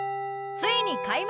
ついに開幕。